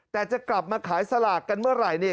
แต่จะกลับมาขายสลากกันเมื่อไหร่เนี่ย